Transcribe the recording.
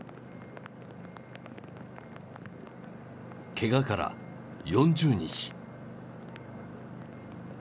けがから４０日。